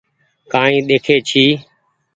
ڪآئي ڏيکي ڇي ۔